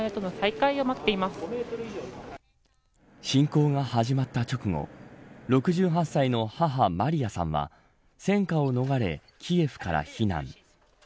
侵攻が始まった直後６８歳の母、マリヤさんは戦火を逃れキエフから避難。